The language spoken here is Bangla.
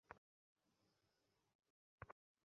ভাইয়েরা, আস্তে, দুঃখিত আমারই হবার কথা।